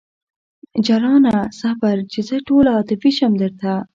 جلانه صبر! چې زه ټوله عاطفي شم درته